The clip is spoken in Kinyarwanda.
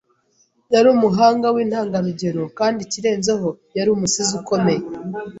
Yari umuhanga wintangarugero, kandi ikirenzeho, yari umusizi ukomeye.